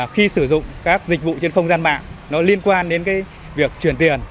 khi sử dụng các dịch vụ trên không gian mạng nó liên quan đến việc chuyển tiền